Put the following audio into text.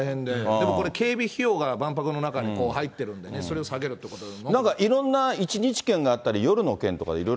でもこれ、警備費用が万博の中に入ってるんでね、それを下げるということで。